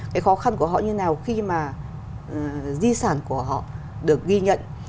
cái khó khăn của họ như nào khi mà di sản của họ được ghi nhận